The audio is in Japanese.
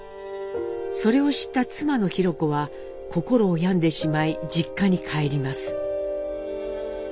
それを知った妻の裕子は心を病んでしまい実家に帰ります。